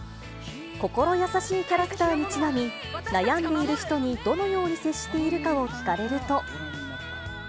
心優しいキャラクターにちなみ、悩んでいる人にどのように接しているかを聞かれると。